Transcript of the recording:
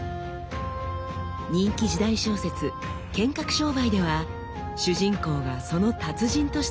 人気時代小説「剣客商売」では主人公がその達人として描かれています。